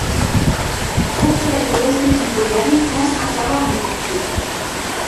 Un terzo deste tipo de arritmias acaban en ictus.